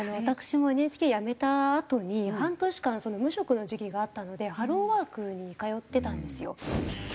私もＮＨＫを辞めたあとに半年間無職の時期があったのでハローワークに通ってたんですよ。